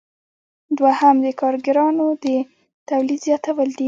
دوهم د کاریګرانو د تولید زیاتول دي.